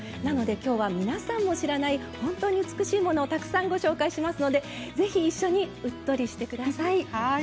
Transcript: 今日は皆さんの知らない本当に美しいものをたくさんご紹介しますのでぜひ一緒にうっとりしてください。